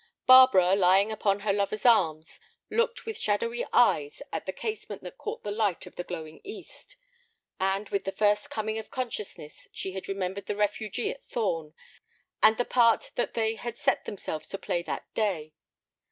Barbara, lying upon her lover's arm, looked with shadowy eyes at the casement that caught the light of the glowing east. And with the first coming of consciousness she had remembered the refugee at Thorn and the part that they had set themselves to play that day.